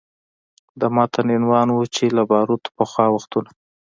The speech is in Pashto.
د متن عنوان و چې له باروتو پخوا وختونه